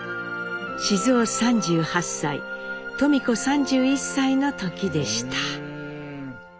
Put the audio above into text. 雄３８歳登美子３１歳の時でした。